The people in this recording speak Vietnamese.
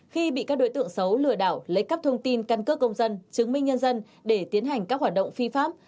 khi bị các đối tượng xấu lừa đảo lấy cắp thông tin căn cước công dân chứng minh nhân dân để tiến hành các hoạt động phi pháp